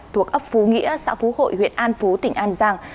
thuộc ấp phú nghĩa xã phú hội huyện an phú tỉnh an giang